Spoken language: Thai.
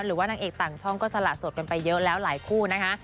นางเอกต่างช่องก็สละสดกันไปเยอะแล้วหลายคู่นะคะ